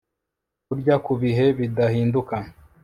Kurya ku Bihe Bidahinduka